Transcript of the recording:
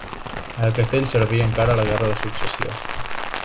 El castell serví encara a la guerra de Successió.